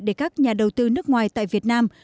để các nhà đầu tư nước ngoài tại việt nam